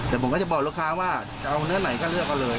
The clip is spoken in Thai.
แต่ผมก็จะบอกลูกค้าว่าจะเอาเนื้อไหนก็เลือกเอาเลย